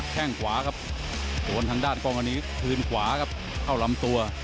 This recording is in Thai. แค่งขวาครับโดนทางด้านกล้องวันนี้คืนขวาครับเข้าลำตัว